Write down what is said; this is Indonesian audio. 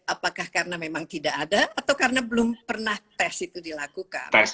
apakah karena memang tidak ada atau karena belum pernah tes itu dilakukan